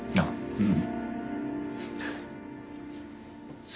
うん。